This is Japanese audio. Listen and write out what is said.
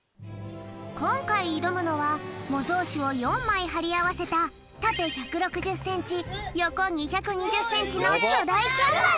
こんかいいどむのはもぞうしを４まいはりあわせたたて１６０センチよこ２２０センチのきょだいキャンバス。